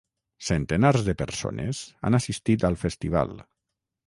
Centenars de persones han assistit al festival.